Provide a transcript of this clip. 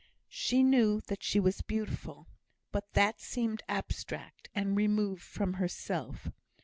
She knew that she was beautiful; but that seemed abstract, and removed from herself.